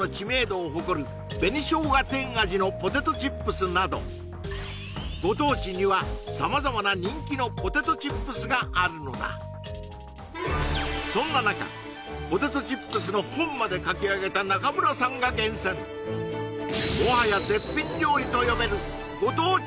例えばなどご当地には様々な人気のポテトチップスがあるのだそんな中ポテトチップスの本まで書き上げた中村さんが厳選もはや絶品料理と呼べるご当地